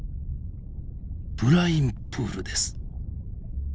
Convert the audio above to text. ブラインプールです！